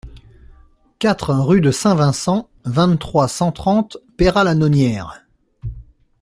quatre rue de Saint-Vincent, vingt-trois, cent trente, Peyrat-la-Nonière